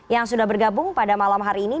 yang sudah bergabung pada malam hari ini